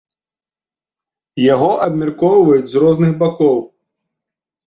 Яго абмяркоўваюць з розных бакоў.